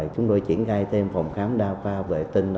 chúng tôi triển khai thêm phòng khám đa khoa vệ tinh